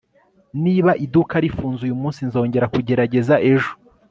niba iduka rifunze uyumunsi, nzongera kugerageza ejo